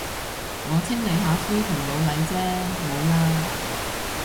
我清理下灰同老泥啫，冇喇。